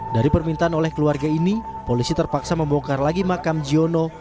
dari permintaan oleh keluarga ini polisi terpaksa membongkar lagi makam jiono